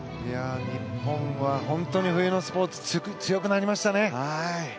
日本は本当に冬のスポーツ強くなりましたね。